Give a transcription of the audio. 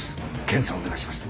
検査をお願いします。